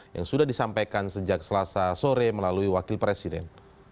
yang sudah disampaikan sejak selasa sore melalui wakil presiden